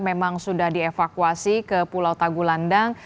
memang sudah dievakuasi ke pulau tagulandang